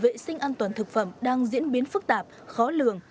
vệ sinh an toàn thực phẩm đang diễn biến phức tạp khó lường